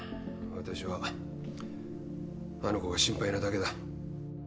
私はあの子が心配なだけだ。